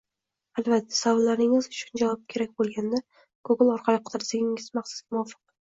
Albatta, savollaringiz uchun javob kerak bo’lganda Google orqali qidirishingiz maqsadga muvofiq